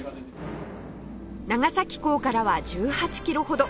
長崎港からは１８キロほど